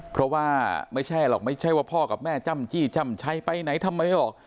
เพราะว่าไม่ใช่หรอกไม่ใช่ว่าพ่อกับแม่จ้ำจี้จ้ำชัยไปไหนทำไมไม่บอก